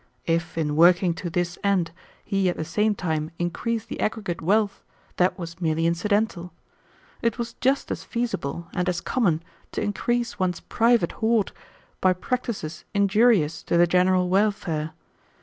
If, in working to this end, he at the same time increased the aggregate wealth, that was merely incidental. It was just as feasible and as common to increase one's private hoard by practices injurious to the general welfare.